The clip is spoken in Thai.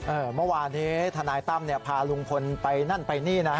เมื่อวานนี้ทนายตั้มเนี่ยพาลุงพลไปนั่นไปนี่นะ